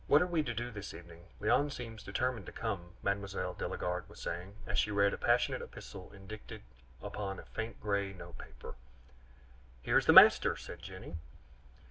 What are we to do this evening? Léon seems determined to come," Mme. de la Garde was saying, as she read a passionate epistle indicted upon a faint gray note paper. "Here is the master!" said Jenny.